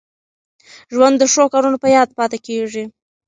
ژوند د ښو کارونو په یاد پاته کېږي.